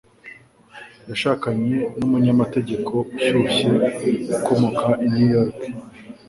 Yashakanye numunyamategeko ushyushye ukomoka i New York